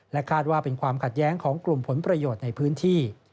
คาดว่าเป็นความขัดแย้งของกลุ่มผลประโยชน์ในพื้นที่